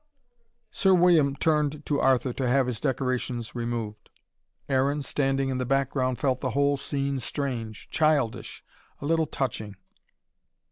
Sir William turned to Arthur to have his decorations removed. Aaron, standing in the background, felt the whole scene strange, childish, a little touching.